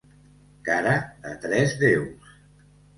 Cara de tres déus.